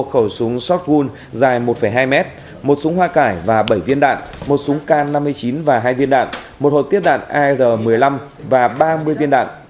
một khẩu súng shophul dài một hai mét một súng hoa cải và bảy viên đạn một súng k năm mươi chín và hai viên đạn một hộp tiếp đạn ar một mươi năm và ba mươi viên đạn